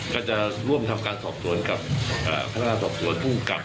ก็จะร่วมทำการสอบสวนกับพนักงานสอบสวนภูมิกับ